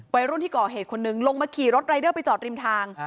วัยรุ่นที่ก่อเหตุคนนึงลงมาขี่รถรายเดอร์ไปจอดริมทาง